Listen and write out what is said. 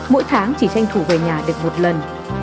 mỗi tháng chỉ tranh thủ về nhà được một lần